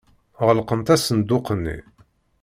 Ɣelqent asenduq-nni.